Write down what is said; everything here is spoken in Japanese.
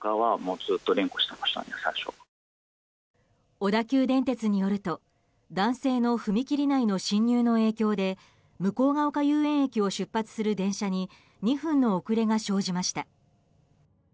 小田急電鉄によると男性の踏切内の侵入の影響で向ヶ丘遊園駅を出発する電車に２分の遅れが生じました。